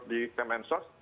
di kementerian sosial